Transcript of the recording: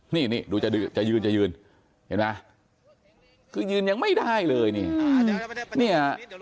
นี่ดูจะยืนเห็นไหมคือยืนยังไม่ได้เลยนี่